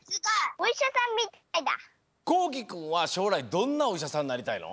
こうきくんはしょうらいどんなおいしゃさんになりたいの？